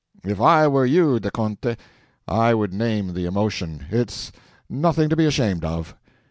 If I were you, De Conte, I would name the emotion; it's nothing to be ashamed of."